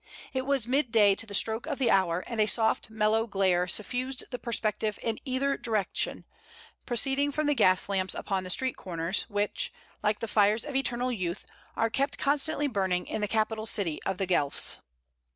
It was mid day to the stroke of the hour, and a soft mellow glare suffused the perspective in either direction, proceeding from the gas lamps upon the street corners, which, like the fires of eternal youth, are kept constantly burning in the capital city of the Guelphs.